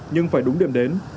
nhưng phải đúng điểm đến